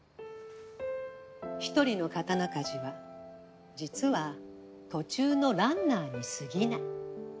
一人の刀鍛冶は実は途中のランナーにすぎない。